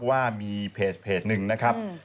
ว่ามีเพจหนึ่งนะครับ